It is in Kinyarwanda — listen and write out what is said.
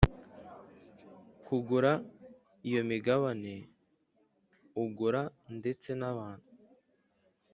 Kugura iyo migabane ugura ndetse n abantu